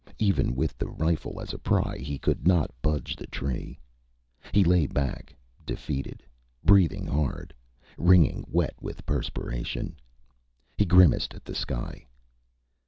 Even with the rifle as a pry, he could not budge the tree. He lay back, defeated, breathing hard, wringing wet with perspiration. He grimaced at the sky.